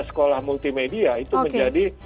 sekolah multimedia itu menjadi